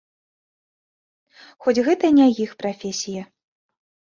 Хоць гэта не іх прафесія.